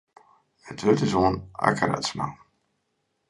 It wurd is oan Akke Radsma.